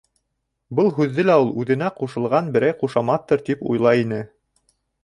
Был һүҙҙе лә ул үҙенә ҡушылған берәй ҡушаматтыр тип уйлай ине.